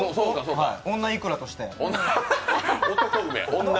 女いくらとして。